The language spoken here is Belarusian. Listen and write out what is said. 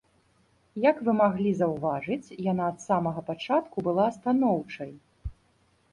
Як вы маглі заўважыць, яна ад самага пачатку была станоўчай.